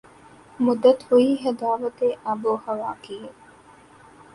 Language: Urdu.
مدت ہوئی ہے دعوت آب و ہوا کیے